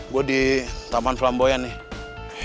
gue di taman flamboyan nih